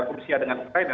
rusia dengan ukraina